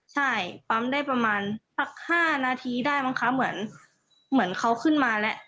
ใช่ปั๊มได้ประมาณสัก๕นาทีได้มั้งคะเหมือนเหมือนเขาขึ้นมาแล้ว